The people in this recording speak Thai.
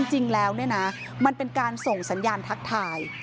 จริงแล้วมันเป็นการส่งสัญญาณทักทาย